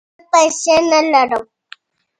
زه پیسې نه لرم